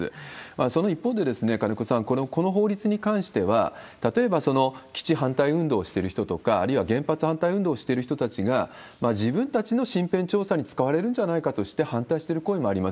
その一方で、金子さん、この法律に関しては、例えば基地反対運動をしている人とか、あるいは原発反対運動をしてる人たちが、自分たちの身辺調査に使われるんではないかとして反対してる声もあります。